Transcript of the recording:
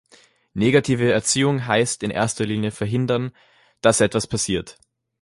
Negative Erziehung heißt in erster Linie verhindern, dass etwas passiert.